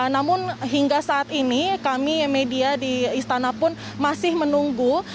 namun hingga saat ini kami media di istana pun masih menunggu